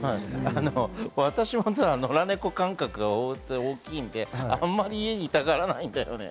私は野良ネコ感覚が大きいのであまり家にいたがらないんだよね。